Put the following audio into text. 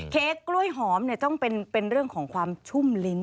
เค้กกล้วยหอมเนี่ยต้องเป็นเรื่องของความชุ่มลิ้น